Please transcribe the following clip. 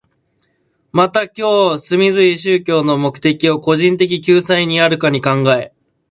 また今日往々宗教の目的を個人的救済にあるかに考え、